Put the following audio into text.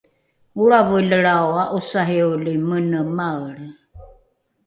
olravelelrao a’osarioli mene maelre